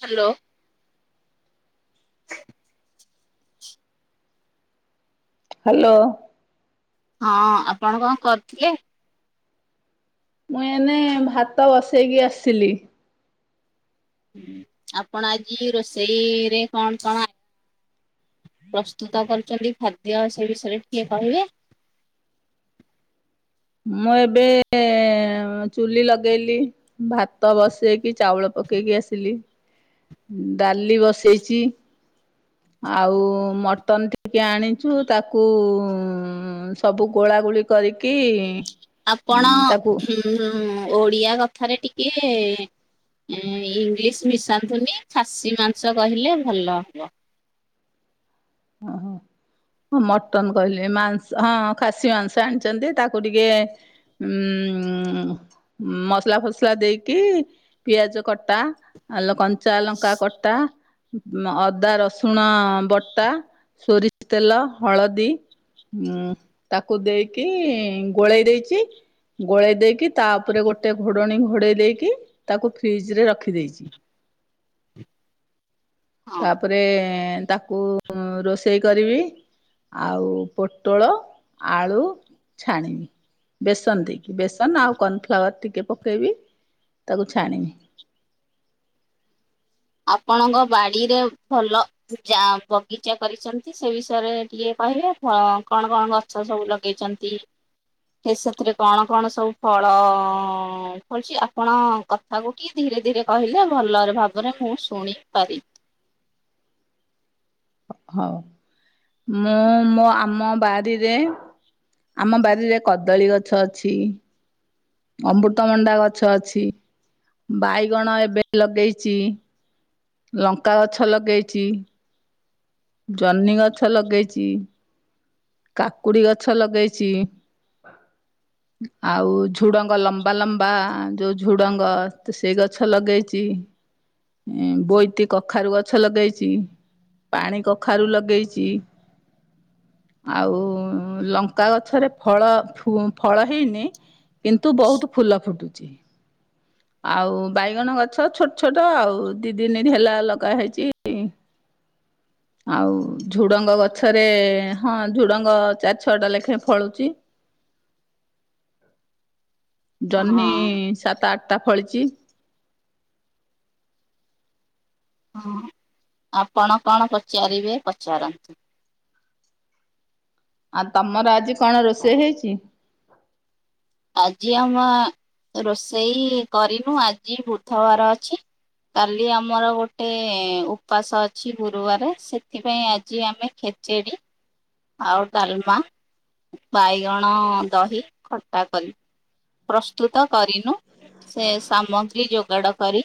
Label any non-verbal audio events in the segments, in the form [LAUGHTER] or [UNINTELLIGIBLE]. Hello. Hello. ହଁ ଆପଣ କଣ କରୁଥିଲେ? ମୁଁ ଏନେ ଭାତ ବସେଇକି ଆସିଲି। ହଁ ଆପଣ ଆଜି ରୋଷେଇରେ କଣ କଣ ଆ ପ୍ରସ୍ତୁତ କରିଚନ୍ତି ଖାଦ୍ୟ ସେ ବିଷୟରେ ଟିକେ କହିବେ? ମୁଁ ଏବେ ଚୁଲି ଲଗେଇଲି, ଭାତ ବସେଇକି ଚାଉଳ ପକେଇକି ଆସିଲି। ଡାଲି ବସେଇଚି ଆଉ ମଟନ ଟିକେ ଆଣିଛୁ ତାକୁ ସବୁ ଗୋଳା ଗୋଳି ଗୋଳି କରିକି ଆପଣ ତାକୁ ଉମ୍ ଓଡିଆ କଥାରେ ଟିକେ ଏ ଇଂଲିଶ ମିଶାନ୍ତୁନି, ଖାସି ମାଂସ କହିଲେ ଭଲ ହବ। ଓହୋ। ହଁ ମଟନ କହିଲେ ମାଂସ ହଁ ଖାସି ମାଂସ ଆଣିଚନ୍ତି ତାକୁ ଟିକେ ଉମ୍ ଉମ୍ ମସଲା ଫସଲା ଦେଇକି ପିଆଜ କଟା, ଆ କଞ୍ଚା ଲଙ୍କା କଟା ଅଦା ରସୁଣ ବଟା, ସୋରିଷ ତେଲ, ହଳଦୀ ଉମ୍ ତାକୁ ଦେଇକି ଗୋଳେଇ ଦେଇଚି ଗୋଳେଇ ଦେଇକି ତା ଉପରେ ଗୋଟେ ଘୋଡ଼ଣୀ ଘୋଡ଼େଇ ଦେଇକି ତାକୁ ଫ୍ରିଜରେ ରଖିଦେଇଛି। ହୁଁ ତାପରେ ତାକୁ ରୋଷେଇ କରିବି ଆଉ ପୋଟଳ ଆଳୁ ଛାଣିବି। ବେସନ ଦେଇକି ବେସନ ଆଉ କର୍ନଫ୍ଲାୱାର ଟିକେ ପକେଇବି ତାକୁ ଛାଣିବି। ହୁଁ ଆପଣଙ୍କ ବାଡିରେ ଭଲ ଯା ବଗିଚା କରିଚନ୍ତି ସେ ବିଷୟରେ ଟିକେ କହିବେ? ହଁ କଣ କଣ ଗଛ ସବୁ ଲଗେଇଚନ୍ତି? ସେ ସେଥିରେ କଣ କଣ ସବୁ ଫଳ ଫଳୁଛି ଆପଣ କଥାକୁ କି ଧି ଧୀରେ ଧୀରେ କହିଲେ ଭଲ ଭାବରେ ମୁଁ ଶୁଣି ପାରିି ହଉ ମୁଁ ମୋ ଆମ ବାରିରେ ଆମ ବାରିରେ କଦଳୀ ଗଛ ଅଛି ଅମୃତମଣ୍ଡା ଗଛ ଅଛି, ବାଇଗଣ ଏବେ ଲଗେଇଚି ଲଙ୍କା ଗଛ ଲଗେଇଚି ଜହ୍ନି ଗଛ ଲଗେଇଚି କାକୁଡି ଗଛ ଲଗେଇଚି ହ ଆଉ ଝୁଡଙ୍ଗ ଲମ୍ବା ଲମ୍ବା ଯୋଉ ଝୁଡଙ୍ଗ ତ ସେଇ ଗଛ ଲଗେଇଚି ବୋଇତି କଖାରୁ ଗଛ ଲଗେଇଚି ପାଣି କଖାରୁ ଲଗେଇଚି ଆଉ ଲଙ୍କା ଗଛରେ ଫଳ ଫଳ ହେଇନି କିନ୍ତୁ ବହୁତ ଫୁଲ ଫୁଟୁଚି। ଆଉ ବାଇଗଣ ଗଛ ଛୋଟ ଛୋଟ ଆଉ ଦି ଦିନ ହେଲା ଲଗା ହେଇଛି। ଆଉ ଝୁଡଙ୍ଗ ଗଛରେ ହଁ ଝୁଡଙ୍ଗ ଚାରି ଛଅଟା ଲେଖାଏଁ ଫଳୁଚି ଜହ୍ନି ହଁ ସାତ ଆଠଟା ଫଳିଛି। ହଁ ଆପଣ କଣ ପଚାରିବେ ପଚାରନ୍ତୁ? ଆଉ ତମର ଆଜି କଣ ରୋଷେଇ ହେଇଛି? ଆଜି ଆମ ରୋଷେଇ କରିନୁ ଆଜି ବୁଧବାର ଅଛି। କାଲି ଆମର ଗୋଟେ ଉପାସ ଅଛି ଗୁରୁବାର ସେଥିପାଇଁ ଆଜି ଆମେ ଖି ଚିଡ଼ି। ଆଉ ଡାଲମା, ବାଇଗଣ ଦହି, ଖଟା କରିବି। ପ୍ରସ୍ତୁତ କରିନୁ ସେ ସାମଗ୍ରୀ ଯୋଗାଡ କରି।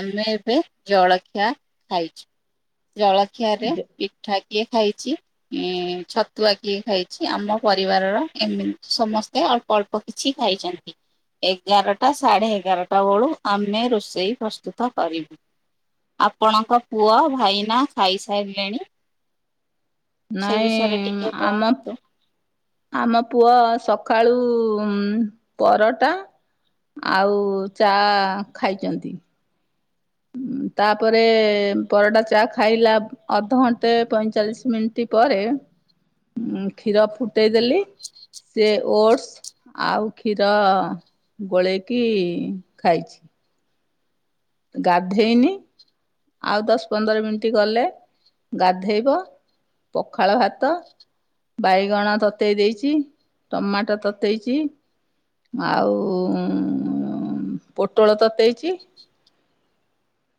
ଆମେ ଏବେ ଜଳଖିଆ ଖାଇଛୁ। ଜଳଖିଆ ରେ ପିଠା କିଏ ଖାଇଛି? ଛତୁଆ କିଏ ଖାଇଛି? ଆମ ପରିବାରର ଏମିତି ସମସ୍ତେ ଆଉ ଅଳ୍ପ କିଛି ଖାଇଛନ୍ତି। ଏଗାରଟା ସାଢେ ଏଗାରଟା ବେଳୁ ଆମେ ରୋଷେଇ ପ୍ରସ୍ତୁତ କରିବୁ। ଆପଣଙ୍କ ପୁଅ ଭାଇ ନା ଖାଇସାରଲେଣି। ନାଇଁ ଟିକେ ଆମ କୁହନ୍ତୁ ଆମ ପୁଅ ସକାଳୁ ଉ ପରଟା ଆଉ ଚା ଖାଇଛନ୍ତି। ତାପରେ ପରଟା ଚା ଖାଇଲା ଅଧଘଣ୍ଟେ ପଇଁଚାଳିଶ ମିନିଟ୍ ପରେ ହଁ କ୍ଷୀର ଫୁଟେଇଦେଲି। ସେ ଓଟସ ଆଉ କ୍ଷୀର। ଗୋଳେଇକି ଖାଇଛି। ଗାଧେଇନି। ଆଉ ଦଶ ପନ୍ଦର ମିନିଟ ଗଲେ ଗାଧେଇବ। ପଖାଳ ଭାତ। ବାଇଗଣ ତତେଇ ଦେଇଛି, ଟମାଟୋ ତତେଇଛି। ଆଉ ପୋଟଳ ତତେଇଛି।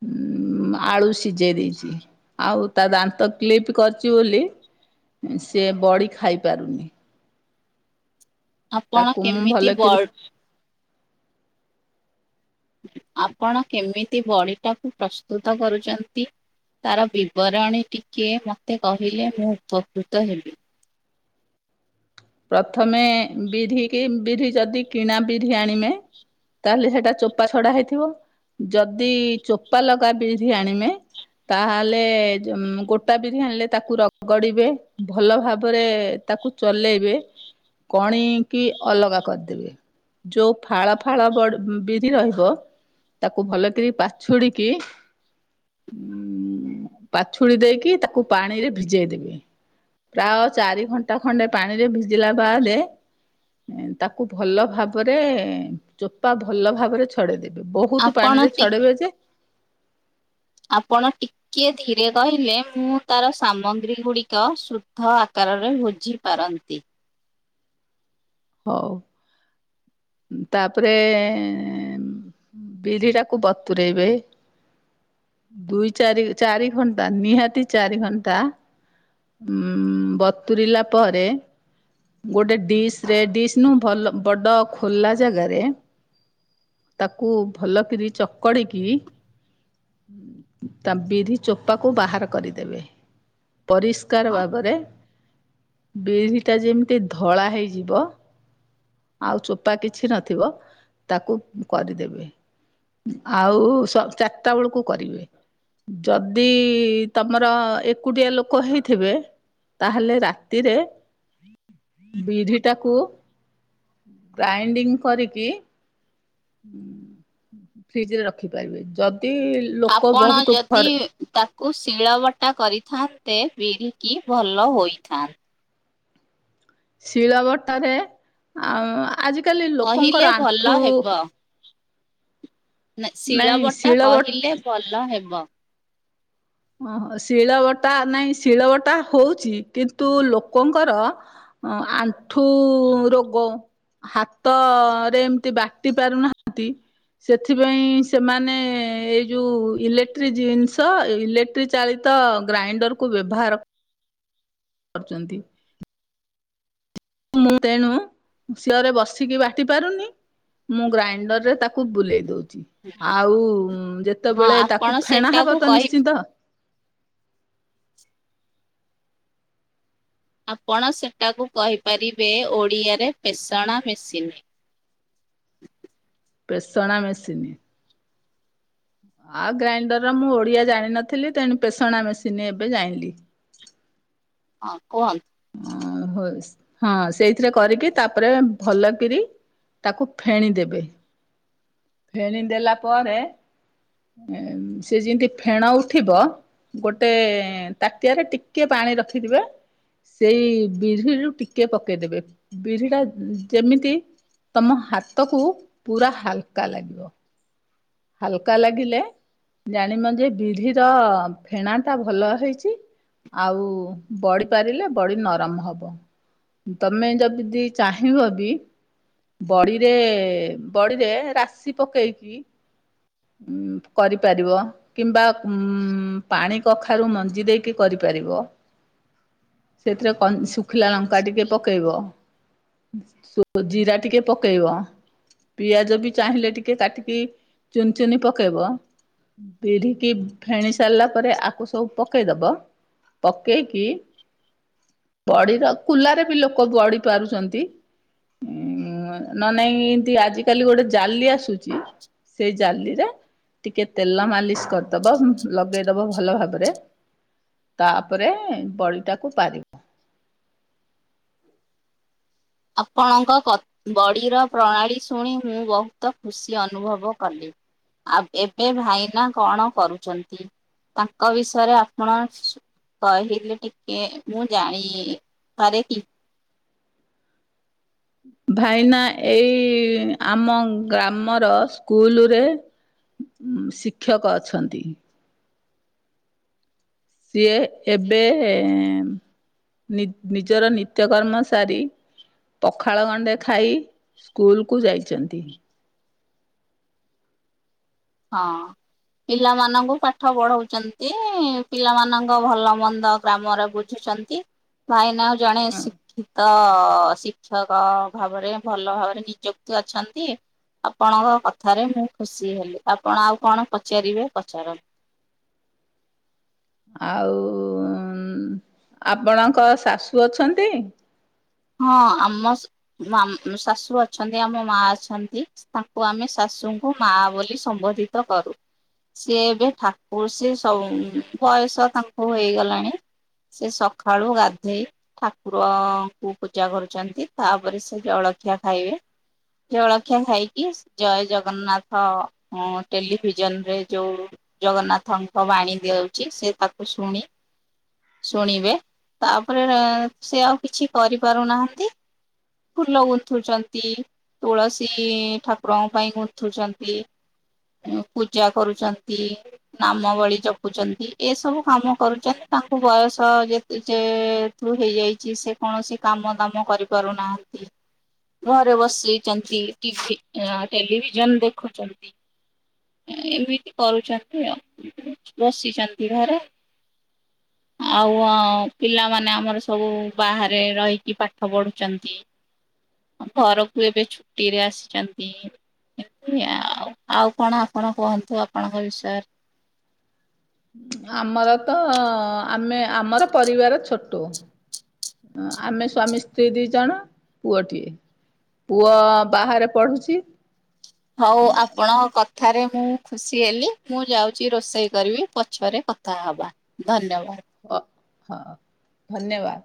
ହୁଁ। ଆଳୁ ସିଝେଇ ଦେଇଛି ଆଉ ତା ଦାନ୍ତ କ୍ଲିପ କରିଛି ବୋଲି ସେ ବଡି ଖାଇପାରୁନି। ଆପଣ ତାକୁ ମୁଁ କେମିତି ଭଲକିରି ବର୍ଡ ଆପଣ କେମିତି ବଡିଟାକୁ ପ୍ରସ୍ତୁତ କରୁଛନ୍ତି? ତାର ବିବରଣୀ ଟିକେ ମୋତେ କହିଲେ ମୁଁ ଉପକୃତ ହେବି। ପ୍ରଥମେ ବିଧ କି ବିରି ଯଦି କିଣା ବିରି ଆଣିବେ। ତାହେଲେ ସେଟା ଚୋପା ଛଡା ହେଇଥିବ ଯଦି ଚୋପା ଲଗା ବିରି ଆଣିବେ ତାହେଲେ ଗୋଟା ବିରି ଆଣିଲେ ତାକୁ ରଗଡିବେ ଭଲ ଭାବରେ। ତାକୁ ଚଲେଇବେ କଣ କିି ଅଲଗା କରିଦେବେ? ଯୋଉ ଫାଳ ଫାଳ ବିରି ରହିବ। ତାକୁ ଭଲ କରି ପାଛୁଡିକି ପାଛୁଡି ଦେଇକି ତାକୁ ପାଣିରେ ଭିଜେଇ ଦେବେ। ପ୍ରାୟ ଚାରି ଘଣ୍ଟା ଖଣ୍ଡେ ପାଣିରେ ଭିଜିଲା ବାଦ। ତାକୁ ଭଲ ଭାବରେ ଚୋପା ଭଲ ଭାବରେ ଛଡେଇ ଦେବେ। ବହୁତ ପାଣି ଆପଣ ରେ ଟି ଛଡେଇବେ ଯେ ଆପଣ ଟିକେ ଧୀରେ କହିଲେ ମୁଁ ତାର ସାମଗ୍ରୀ ଗୁଡିକ ଶୁଦ୍ଧ ଆକା ରେ ବୁଝି ପାରନ୍ତି। ହଉ। ତାପରେ? ବିରି ଟାକୁ ବତୁରେଇବେ। ଦୁଇ ଚାରି ଚାରି ଘଣ୍ଟା ନିହାତି ଚାରି ଘଣ୍ଟା। ଉଁ ବତୁରିଲା ପରେ। ଗୋଟେ ଡିସ ରେ ଡିସ୍ ନୁହୁଁ ଭଲ ବଡ଼ ଖୋଲା ଜାଗାରେ ତାକୁ ଭଲ କିରି ଚକଡ଼ିକି ତା ବିରି ଚୋପାକୁ ବାହାର କରିଦେବେ। ପରିଷ୍କାର ହଁ ଭାବରେ ବିିରିଟା ଯେମି କେତେ ଧଳା ହେଇଯିବ ଆଉ ଚୋପା କିଛି ନଥିବ ତାକୁ କରିଦେବେ। ଆଉ ଚାରିଟା ବେଳକୁ କରିବେ। ଯଦି ତମର ଏକୁଟିଆ ଲୋକ ହେଇଥିବେ। ତାହେଲେ ରାତିରେ ବିରିଟାକୁ ଗ୍ରାଇଣ୍ଡିଙ୍ଗ କରିକି ଫ୍ରିଜ ରେ ରଖିପାରିବେ ଯ ଦି ଲୋକ ବହୁତ ଘରେ କୁ ଶିଳବଟା କରିଥାନ୍ତେ ବିରିକି ଭଲ ହୋଇଥା ଶିଳ ବଟାରେ ଆ ଆଜିକାଲି କହିଲେ ଲୋକଙ୍କର ଭଲ ଆଣ୍ଠୁ ହେବ। ନା ଶିଳ ନାଇଁ ବଟା ଶିଳ ବଟ କହିଲେ ଭଲ ହେବ । ଓହୋ ଶିଳ ବଟା ନାଇଁ ଶିଳ ବଟା ହଉଛି କିନ୍ତୁ ଲୋକଙ୍କର ଅ ଆଣ୍ଠୁ ରୋଗ । ହାତରେ ଏମିତି ବାଟି ପାରୁନାହାନ୍ତି । ସେଥିପାଇଁ ସେମାନେ ଏଇ ଯୋଉ ଇଲେକ୍ଟ୍ରିକ ଜିନିଷ ଇଲେ ଲଟ୍ରି ଚାଳିତ ଗ୍ରାଇଣ୍ଡରକୁୁ ବ୍ୟବହାର କରୁଛନ୍ତି । ମୁଁ ତେଣୁ ସିଳରେ ବସିକି ବାଟି ପାରୁନି । ମୁଁ ଗ୍ରାଇଣ୍ଡର ରେ ତାକୁ ବୁଲେଇ ଦଉ ଆଉ ହଁ ଯେତେବେଳେ ଆପଣ ତାକୁ ଫେଣା ହବ ସେଟାକୁ ତ କହି ନିଶ୍ଚିନ୍ତ । ଆପଣ ସେଟାକୁ କହିପାରିବେ ଓଡ଼ିଆରେ ପେଶଣା ମେସିନ୍ । [INAUDIBLE] ପେସଣା ମେସିନ୍ । ଆଉ ଗ୍ରାଇଣ୍ଡର ର ମୁଁ ଓଡିଆ ଜାଣିିନଥିଲି ତେଣୁ ପେଷଣା ମେସିନ୍ ଏବେ ଜାଣିଲି । ହଁ କୁହନ୍ତ । ହ ହଁ ସେଇଥିରେ କରିକି ତାପରେ ଭଲ କିରି ତାକୁ ଫେଣି ଦେବେ ଫେଣି ଦେଲା ପରେ ସେ ଯେମିତି ଫେଣ ଉଠିବ ଗୋଟେ ତାଟିଆରେ ଟିକିଏ ପାଣି ରଖିଥିବେ । ସେଇ ବିରିରୁୁ ଟିକେ ପକେଇଦେବେ ବିରି ଟା ଯେମିତି ତମ ହାତକୁ ପୁରା ହାଲକା ଲାଗିବ । ହାଲକା ଲାଗିଲେ ଜାଣିବ ଯେ ବିରିର ଫେଣା ଟା ଭଲ ହେଇଛି । ଆଉ ବଢ଼ି ପାରିଲେ । ବଡି ନରମ ହବ ।ତମେ ଯଦି ଚାହିଁବ ବି ବଡିରେ ବଡିରେ ରାଶି ପକେଇକି କରିପାରିବ କିମ୍ବା ଉ ପାଣି କଖାରୁ ମଞ୍ଜି ଦେଇକି କରି ପାରିବ । [INAUDIBLE] ସେଥିରେ କ ଶୁଖିଲା ଲଙ୍କା ଟିକେ ପକେଇବ । ସୁବୁ ଜିରା ଟିକେ ପକେଇବ। ପିଆଜ ବି ଚାହିଁଲେ ଟିକେ କାଟିକି ଚୁନି ଚୁନି ପକେଇବ । ବିରିକି ଫେଣି ସାରିଲା ପରେ ଆକୁ ସବୁ ପକେଇଦବ । ପକେଇକି ବଢ଼ିର କୁଲାରେ ବି ଲୋକ ବଢି ପାରୁଛନ୍ତି। ଉଁ ନ ନାଇଁ ଏମତି ଆଜି କାଲି ଗୋଟେ ଜାଲି ଆସୁଛି। ସେଇ ଜାଲିରେ ଟିକେ ତେଲ ମାଲିସ କରଦବ, ଲଗେଇଦବ ଭଲ ଭାବରେ। ତାପରେ ବଡିଟାକୁ ପାରିବ। ଆପଣଙ୍କ କ ବଡ଼ିର ପ୍ରଣାଳୀ ଶୁଣି ମୁଁ ବହୁତ ଖୁସି ଅନୁଭବ କଲି। ଆଉ ଏବେ ଭାଇନା କଣ କରୁଛନ୍ତି? ତାଙ୍କ ବିଷୟରେ ଆପଣ କହିଲେ ଟିକେ ମୁଁ ଜାଣି ପାରେ କି? ଭାଇନା ଏଇ ଆମ ଗ୍ରାମର ସ୍କୁଲୁରେ ଶିକ୍ଷକ ଅଛନ୍ତି। ସିଏ ଏବେ, ନି ନିଜର ନିତ୍ୟକର୍ମ ସାରି ପଖାଳ ଗଣ୍ଡେ ଖାଇ ସ୍କୁଲକୁ ଯାଇଚନ୍ତି। ହଁ। ପିଲାମାନଙ୍କୁ ପାଠ ପଢଉଚନ୍ତି। ପିଲାମାନଙ୍କ ଭଲ ମନ୍ଦ ଗ୍ରାମର ବୁଝୁ ନ୍ତି ଭାଇନା ଆଉ ଜଣେ ହଁ, ଶିକ୍ଷିତ ତ ଶିକ୍ଷକ ଭାବରେ ଭଲ ଭାବରେ ନିଯୁକ୍ତି ଅଛନ୍ତି। ଆପଣଙ୍କ କଥାରେ ମୁଁ ଖୁସି ହେଲି। ଆପଣ ଆଉ କଣ ପଚାରିବେ ପଚାର ଆଉ ଉଁ ଆପଣଙ୍କ ଶାଶୁ ଅଛନ୍ତି? ହଁ ଆମ ମ ଶାଶୁ ଅଛନ୍ତି, ଆମ ମା ଅଛନ୍ତି, ତାଙ୍କୁ ଆମେ ଶାଶ ଶାଶୁଙ୍କୁ ମା ବୋଲି ସମ୍ବୋଧିତ କରୁ। ସିଏ ଏବେ ଠାକୁର ସି ସବୁ ବୟସ ତାଙ୍କୁ ହେଇଗଲାଣି। ସେ ସଖାଳୁ ଗାଧେଇ ଠାକୁର କୁ ପୂଜା କରୁଛନ୍ତି, ତାପରେ ସେ ଜଳଖିଆ ଖାଇବେ। ଜଳଖିଆ ଖାଇକି ଜୟ ଜଗନ୍ନାଥ ଟେଲିଭିଜନରେ ଯୋଉ ଜଗନ୍ନାଥଙ୍କ ବାଣୀ ଦିଆଉଛି ସେ ତାକୁ ଶୁଣି ଶୁଣିବେ, ତାପରେ ସିଏ ଆଉ କିଛି କରିପାରୁ ନାହାନ୍ତି। ଫୁଲ ଗୁନ୍ଥୁଚନ୍ତି ତୁଳସୀ ଠାକୁରଙ୍କ ପାଇଁ ଗୁନ୍ଥୁଚନ୍ତି। ପୂଜା କରୁଚନ୍ତି ନାମବଳି ଜପୁଚନ୍ତି ଏସବୁ କାମ କରୁଚ ତାଙ୍କୁ ବୟସ ଯେତୁ ଯେ ଯେ ହେତୁ ହେଇଯାଇଛି ସେ କୌଣସି କାମ ଦାମ କରିପାରୁ ନାହାନ୍ତି। ଘରେ ବସିଚନ୍ତି ଟି ଭି ଟେଲିଭିଜନ ଦେଖୁଛନ୍ତି। ଏମିତି କରୁଛନ୍ତି ଆଉ, ବସିଛନ୍ତି ଘରେ। ହ [UNINTELLIGIBLE] ଆଉ ଆଁ ପିଲାମାନେ ଆମର ସବୁ ବାହାରେ ରହିକି ପାଠ ପଢ଼ୁଚନ୍ତି। ଘରକୁ ଏବେ ଛୁଟିରେ ଆସିକନ୍ତି ଏମତି ଆଉ ଆଉ କଣ କଣ କୁହନ୍ତୁ ଆପଣଙ୍କ ବିଷୟରେ? ଆମର ତ ଆମେ ଆମର ପରିବାର ଛୋଟୁ। ଆମେ ସ୍ୱାମୀ ସ୍ତ୍ରୀ ଦି ଜଣ, ପୁଅଟିଏ। ପୁଅ ବାହାରେ ପଢୁଛି। ହଉ ଆପଣଙ୍କ କ କଥାରେ ମୁଁ ଖୁସି ହେଲି, ମୁଁ ଯାଉଛି ରୋଷେଇ କରିବି ପଛରେ କଥା ହବା ଧନ୍ୟବାଦ। ହ ହଁ ଧନ୍ୟବାଦ।